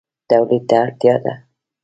تولید ته اړتیا ده